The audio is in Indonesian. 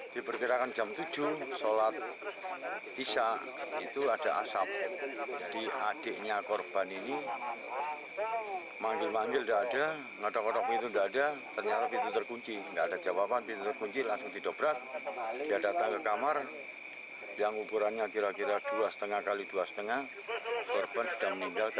ketika datang ke kamar yang ukurannya kira kira dua lima x dua lima korban sudah meninggal keadaan terbakar